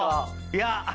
いや。